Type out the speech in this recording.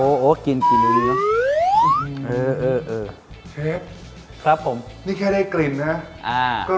โอ้โอ้กลิ่นดีนะ